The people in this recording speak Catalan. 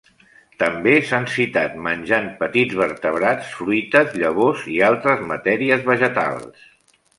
També s'han citat menjant petits vertebrats, fruites, llavors i altres matèries vegetals.